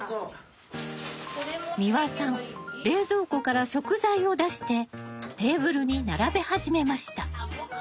三和さん冷蔵庫から食材を出してテーブルに並べ始めました。